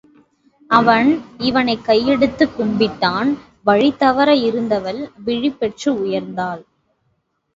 அவன் இவனைக் கையெடுத்துக் கும்பிட்டான் வழி தவற இருந்தவள் விழிபெற்று உயர்ந்தாள்.